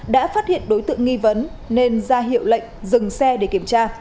đã phát hiện đối tượng nghi vấn nên ra hiệu lệnh dừng xe để kiểm tra